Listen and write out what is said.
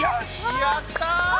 やった！